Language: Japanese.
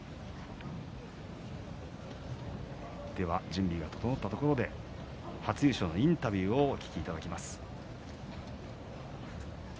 準備が整ったところで初優勝のインタビューをお聞きいただきます。